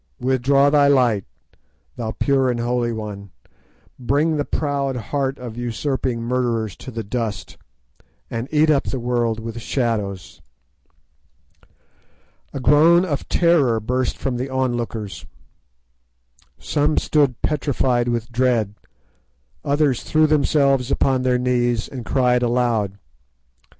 withdraw thy light, thou pure and holy One; bring the proud heart of usurping murderers to the dust, and eat up the world with shadows." A groan of terror burst from the onlookers. Some stood petrified with dread, others threw themselves upon their knees and cried aloud.